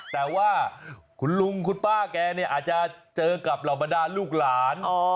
แต่ว่าคุณลุงคุณป้าแกเนี่ยอาจจะเจอกับเหล่าบรรดาลูกหลาน